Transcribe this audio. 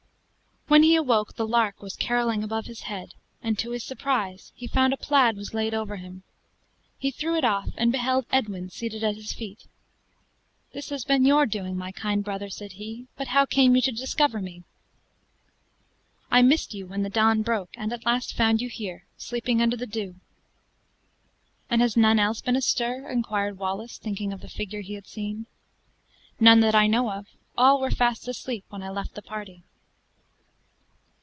When he awoke the lark was caroling above his head; and to his surprise he found a plaid was laid over him. He threw it off, and beheld Edwin seated at his feet. "This has been your doing, my kind brother," said he, "but how came you to discover me?" "I missed you when the dawn broke, and at last found you here, sleeping under the dew." "And has none else been astir?" inquired Wallace, thinking of the figure he had seen. "None that I know of. All were fast asleep when I left the party."